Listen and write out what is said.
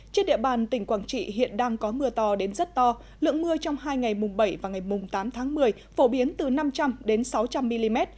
trên địa bàn tỉnh quảng trị hiện đang có mưa to đến rất to lượng mưa trong hai ngày mùng bảy và ngày mùng tám tháng một mươi phổ biến từ năm trăm linh đến sáu trăm linh mm